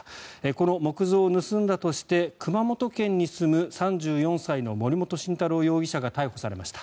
この木像を盗んだとして熊本県に住む３４歳の森本晋太郎容疑者が逮捕されました。